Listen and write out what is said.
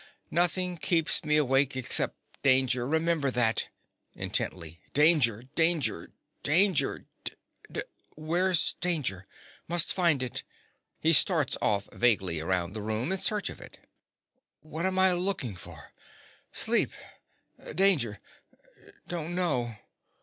Nothing keeps me awake except danger—remember that—(intently) danger, danger, danger, dan— Where's danger? Must find it. (He starts of vaguely around the room in search of it.) What am I looking for? Sleep—danger—don't know.